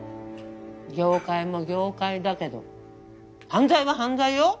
業界も業界だけど犯罪は犯罪よ。